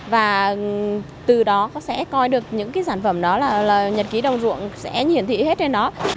và từ đó sẽ coi được những sản phẩm đó là nhật ký đồng ruộng sẽ hiển thị hết trên đó